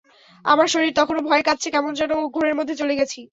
আমার শরীর তখনো ভয়ে কাঁপছে, কেমন যেন ঘোরের মধ্য চলে গেছি।